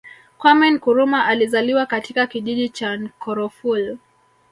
Kwame Nkrumah alizaliwa katika kijiji cha Nkroful